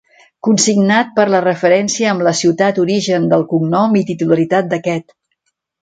Consignat per la referència amb la ciutat origen del cognom i titularitat d'aquest.